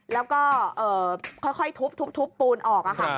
แล้วก็ค่อยทุบทุบทุบปูนออกค่ะ